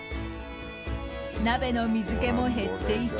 鍋の水気も減っていき。